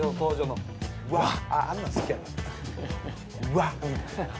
「わっ！」